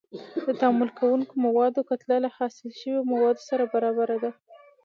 د تعامل کوونکو موادو کتله له حاصل شویو موادو سره برابره ده.